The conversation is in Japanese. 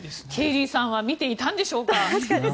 ケイリーさんは見ていたんでしょうか。